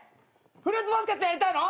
フルーツバスケットやりたいの？